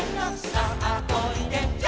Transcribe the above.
「さあおいで」